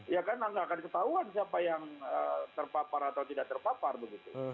ya kan nggak akan ketahuan siapa yang terpapar atau tidak terpapar begitu